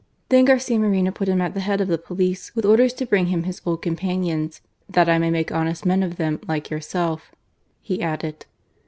Thoii Garcia Moreno put him at the head of the pbluse^ with orders to bring him his old companions, ^ that I may make honest men of them» like yourself/' hd added.